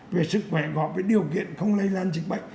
về sức khỏe cộng với điều kiện không lây lan dịch bệnh